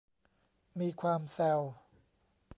มีความแซว